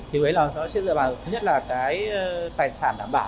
thứ nhất là tài sản đảm bảo